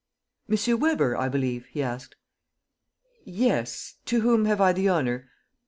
Weber, I believe?" he asked. "Yes. ... To whom have I the honor